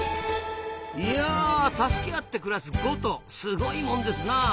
いや助け合って暮らす５頭すごいもんですなあ。